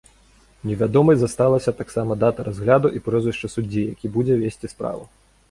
Невядомай засталася таксама дата разгляду і прозвішча суддзі, які будзе весці справу.